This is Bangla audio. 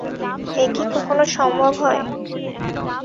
এ কি কখনো সম্ভব হয়।